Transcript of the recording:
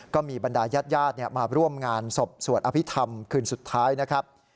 บรรดายาดมาร่วมงานศพสวดอภิษฐรรมคืนสุดท้ายนะครับ